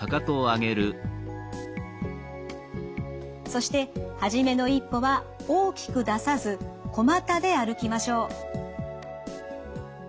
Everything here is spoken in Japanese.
そして初めの一歩は大きく出さず小股で歩きましょう。